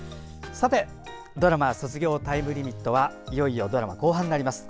ドラマ「卒業タイムリミット」はいよいよドラマ後半になります。